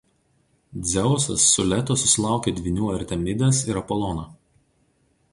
Dzeusas su Leto susilaukė dvynių Artemidės ir Apolono.